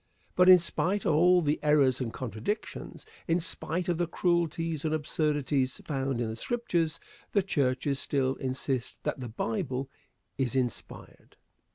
But in spite of all the errors and contradictions, in spite of the cruelties and absurdities found in the Scriptures, the churches still insist that the Bible is inspired.